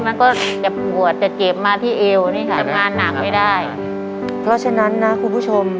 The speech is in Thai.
มันก็จะปวดจะเจ็บมาที่เอวนี่ค่ะทำงานหนักไม่ได้เพราะฉะนั้นนะคุณผู้ชม